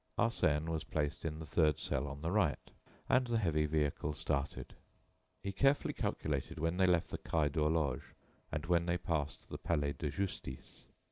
Arsène was placed in the third cell on the right, and the heavy vehicle started. He carefully calculated when they left the quai de l'Horloge, and when they passed the Palais de Justice.